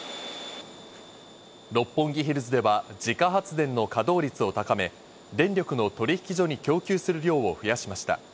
六本木ヒルズでは自家発電の稼働率を高め、電力の取引所に供給する量を増やしました。